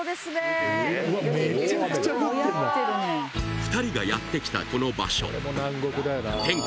２人がやって来たこの場所